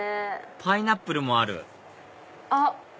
パイナップルもあるあっ！